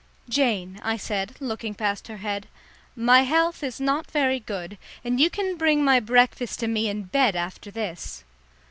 "Jane," I said, looking past her head, "my health is not very good, and you can bring my breakfast to me in bed after this."